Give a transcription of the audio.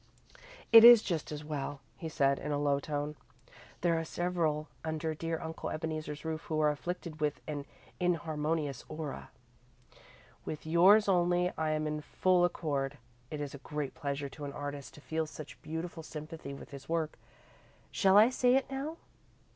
"It is just as well," he said, in a low tone. "There are several under dear Uncle Ebeneezer's roof who are afflicted with an inharmonious aura. With yours only am I in full accord. It is a great pleasure to an artist to feel such beautiful sympathy with his work. Shall I say it now?"